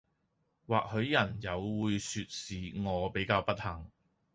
或許人有會說是我比較不幸